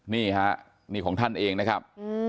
นี่ฮะนี่ของท่านเองนะครับ